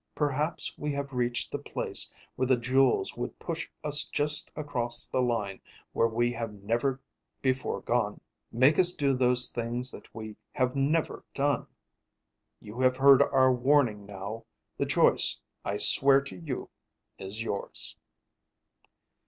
Perhaps we have reached the place where the jewels would push us just across the line where we have never before gone, make us do those things that we have never done. You have heard our warning now. The choice, I swear to you, is yours."